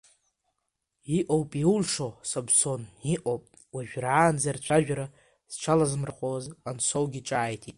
Иҟоуп иулшо, Самсон, иҟоуп, уажәраанӡа рцәажәара зҽалазмырхәуаз Ҟансоугьы ҿааиҭит.